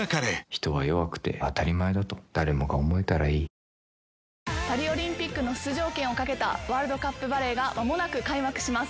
ハイ「タコハイ」パリオリンピックの出場権を懸けたワールドカップバレーが間もなく開幕します。